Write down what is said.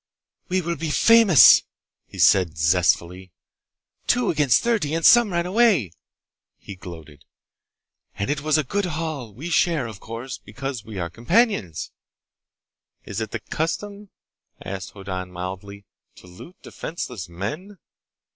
"We will be famous!" he said zestfully. "Two against thirty, and some ran away!" He gloated. "And it was a good haul! We share, of course, because we are companions." "Is it the custom," asked Hoddan mildly, "to loot defenseless men?"